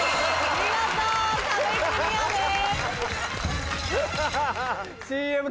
見事壁クリアです。